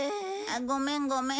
ごめんごめん。